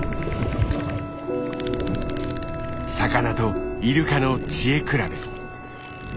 魚とイルカの知恵比べ。